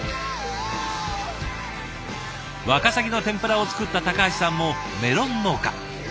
ワカサギの天ぷらを作った高橋さんもメロン農家。